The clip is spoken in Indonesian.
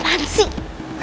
itu apaan sih